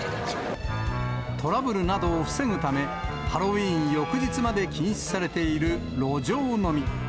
トラブルなどを防ぐため、ハロウィーン翌日まで禁止されている路上飲み。